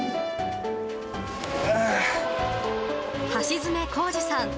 橋爪浩二さん